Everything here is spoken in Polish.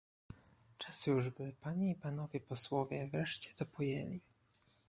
Czas już, by panie i panowie posłowie wreszcie to pojęli